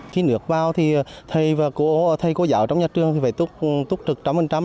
khi nước vào thì thầy và cô giáo trong nhà trường phải túc trực trăm phần trăm